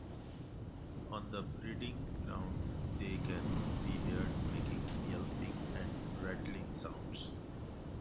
On the breeding grounds they can be heard making yelping and rattling sounds.